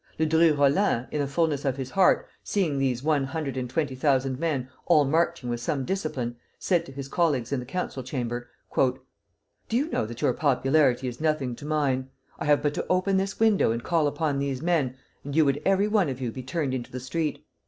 Ledru Rollin, in the fulness of his heart, seeing these one hundred and twenty thousand men all marching with some discipline, said to his colleagues in the Council Chamber: "Do you know that your popularity is nothing to mine? I have but to open this window and call upon these men, and you would every one of you be turned into the street.